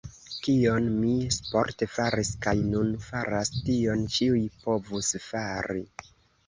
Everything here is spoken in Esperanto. Kion mi sporte faris kaj nun faras, tion ĉiuj povus fari.